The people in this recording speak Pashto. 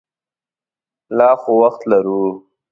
لا خو وخت لرو.